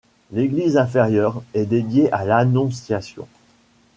L’église inférieure est dédiée à l’Annonciation.